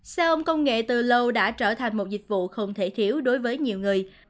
xe ôm công nghệ từ lâu đã trở thành một dịch vụ không thể thiếu đối với nhiều người